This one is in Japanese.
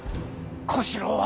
小四郎は。